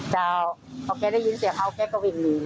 จ้าวเขาแกได้ยินเสียงเขาแกก็วิ่งหนีเลยจ๊ะ